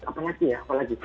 apanya sih ya apalagi